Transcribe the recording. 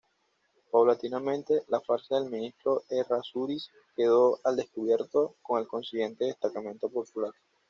Paulatinamente, la farsa del ministro Errázuriz quedó al descubierto, con el consiguiente descontento popular.